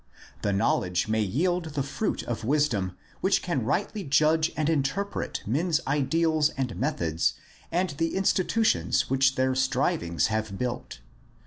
The knowledge may yield the fruit of wisdom which can rightly judge and interpret men's ideals and methods and the institutions which their s.trivings have built.